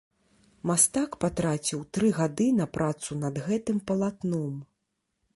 Мастак патраціў тры гады на працу над гэтым палатном.